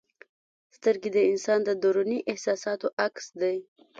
سترګې د انسان د دروني احساساتو عکس دی.